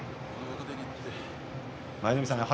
舞の海さん